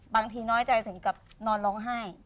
น้อยใจถึงกับนอนร้องไห้